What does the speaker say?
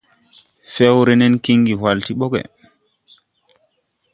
Fɛwre nen kiŋgin hwal ti ɓɔgge.